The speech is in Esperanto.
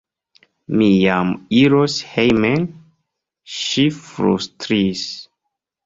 Mi jam iros hejmen, ŝi flustris.